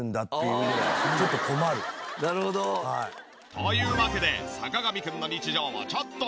というわけで坂上くんの日常をちょっと拝見。